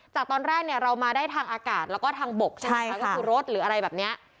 จากตอนแรกเนี่ยเรามาได้ทางอากาศแล้วก็ทางบกใช่ไหมคะก็คือรถหรืออะไรแบบนี้